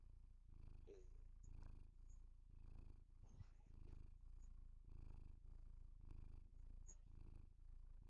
এই অঞ্চলগুলিতে সাধারণত নিম্ন-আয়ের এবং সংখ্যালঘু সম্প্রদায় বসবাস করে।